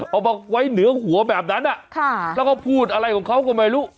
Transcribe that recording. เอามาไว้เหนือหัวแบบนั้นแล้วก็พูดอะไรของเขาก็ไม่รู้